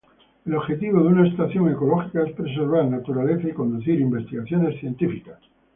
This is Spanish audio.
El objetivo de una estación ecológica es preservar naturaleza y conducir investigaciones científicas.